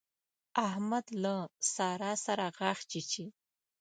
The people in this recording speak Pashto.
احمد له سارا سره غاښ چيچي.